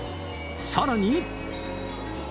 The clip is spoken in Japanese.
さらに。